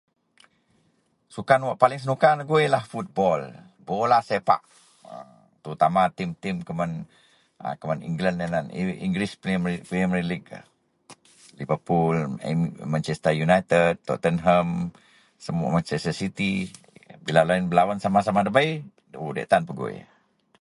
sukan wak paling senuka negui ienlah football, bola sepak a terutama tim-tim kuman a kuman England inan, English prime premier league, Liverpool, mu Manchester united, totenham, semu Manchester city bila deloyien belawen sama-sama debei o diak tan pegui